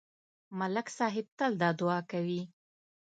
ملک صاحب تل دا دعا کوي.